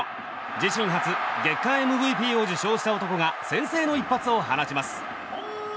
自身初月間ＭＶＰを受賞した男が先制の一発を放ちます。